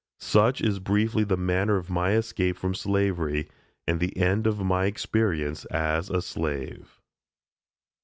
Such is briefly the manner of my escape from slavery and the end of my experience as a slave.